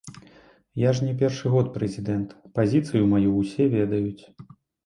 Я ж не першы год прэзідэнт, пазіцыю маю, усе ведаюць.